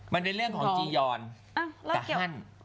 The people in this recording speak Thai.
มันในเรื่องจียอนกับฮ่าน